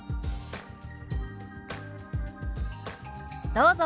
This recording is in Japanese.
どうぞ。